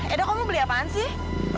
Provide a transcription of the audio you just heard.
eh dok kamu beli apaan sih